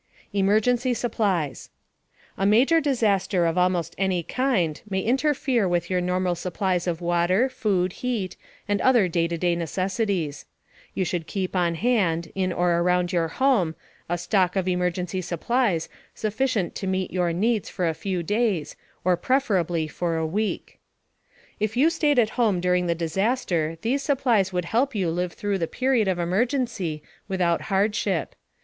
EMERGENCY SUPPLIES A major disaster of almost any kind may interfere with your normal supplies of water, food, heat, and other day to day necessities. You should keep on hand, in or around your home, a stock of emergency supplies sufficient to meet your needs for a few days or preferably for a week. If you stayed at home during the disaster, these supplies would help you live through the period of emergency without hardship.